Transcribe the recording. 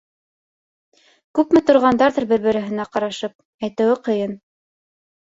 Күпме торғандарҙыр бер-береһенә ҡарашып, әйтеүе ҡыйын.